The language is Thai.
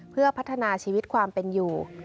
เพื่อพัฒนาชีวิตความเป็นอยู่